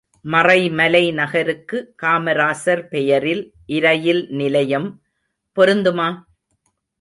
மறைமலை நகருக்கு காமராசர் பெயரில் இரயில் நிலையம் பொருந்துமா?